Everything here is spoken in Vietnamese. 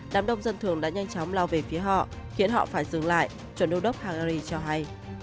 đám đông dân thường đã nhanh chóng lao về phía họ khiến họ phải dừng lại chuẩn đô đốc hangary cho hay